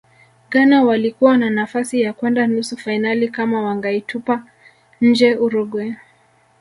ghana walikuwa na nafasi ya kwenda nusu fainali kama wangaitupa nje uruguay